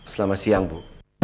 selamat siang bu